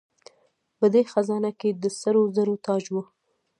په دې خزانه کې د سرو زرو تاج و